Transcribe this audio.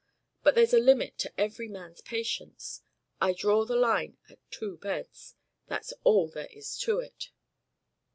But there's a limit to every man's patience. I draw the line at two beds. That's all there is to it."